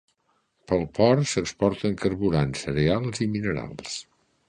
Pel port, s'exporten carburants, cereals i minerals.